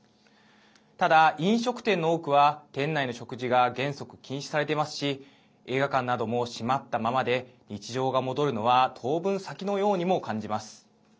ただ、飲食店の多くは店内の食事が原則禁止されていますし映画館なども閉まったままで日常が戻るのは当分先のようにも感じます。